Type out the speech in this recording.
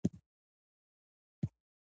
آیا په تعلیمي نظام کې د درغلۍ مخه نیول سوې ده؟